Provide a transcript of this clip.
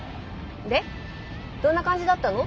でどんな感じだったの？